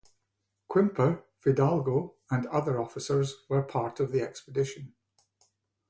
Quimper, Fidalgo, and other officers were part of the expedition.